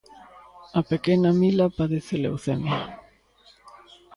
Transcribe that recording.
A pequena Mila padece leucemia.